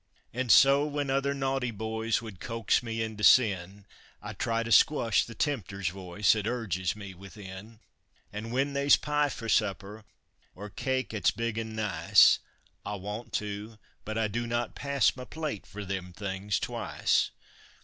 An' so, when other naughty boys would coax me into sin, I try to skwush the Tempter's voice 'at urges me within; An' when they's pie for supper, or cakes 'at's big an' nice, I want to but I do not pass my plate f'r them things twice!